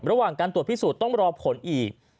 ระหว่างการตรวจพิสูจน์ต้องรอผลอีก